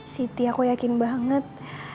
siti aku yakin banget